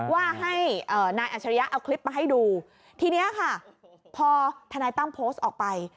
ว่าให้นายอัจฉริยะเอาคลิปมาให้ดูทีนี้ค่ะพอทนายตั้มโพสต์ออกไป